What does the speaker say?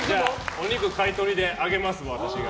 お肉、買い取りであげます私が。